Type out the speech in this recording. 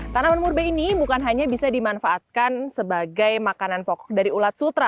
tanaman murbe ini bukan hanya bisa dimanfaatkan sebagai makanan pokok dari ulat sutra